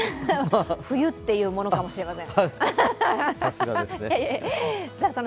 冬っていうものかもしれません。